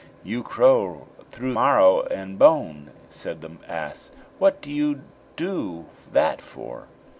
"You crow through marrow and bone," said the ass; "what do you do that for?"